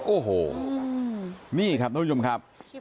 โอ้โหนี่ครับทุกผู้ชมครับ